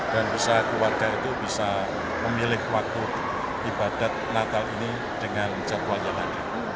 dan bisa keluarga itu bisa memilih waktu ibadat natal ini dengan jadwal yang ada